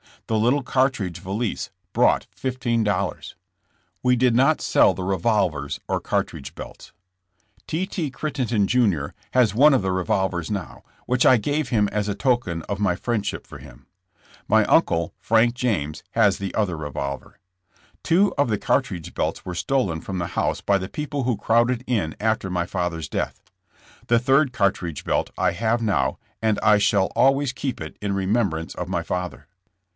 The little cartridge valise brought $15. We did not sell the revolvers or cartridge belts. T. T. Crittenden, Jr. has one of 10 JESS:a JAMBS. the revolvers now, which I gave him as a token of my friendship for him. My uncle, Frank James, has the other revolver. Two of the cartridge belts were stolen from the house by the people who crowded in after my father's death. The third cartridge belt I have now and I shall always keep it in remembrance of my father.